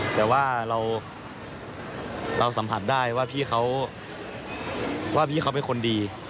แต่ว่าเราสัมผัสได้ว่าพี่เขาว่าพี่เขาเป็นคนดี